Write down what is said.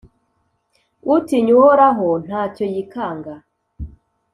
Utinya Uhoraho nta cyo yikanga,